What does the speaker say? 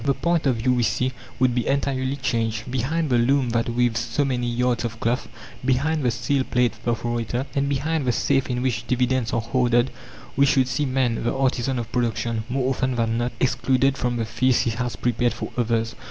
The point of view, we see, would be entirely changed. Behind the loom that weaves so many yards of cloth, behind the steel plate perforator, and behind the safe in which dividends are hoarded, we should see man, the artisan of production, more often than not excluded from the feast he has prepared for others.